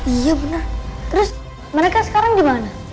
iya benar terus mereka sekarang gimana